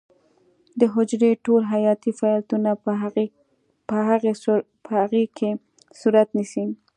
د حجرې ټول حیاتي فعالیتونه په هغې کې صورت نیسي.